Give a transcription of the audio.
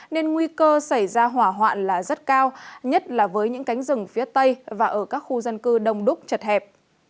nên nguy cơ xảy ra hỏa hoạn là rất cao nhất là với những cánh rừng phía tây và ở các khu dân cư đông đúc chật hẹp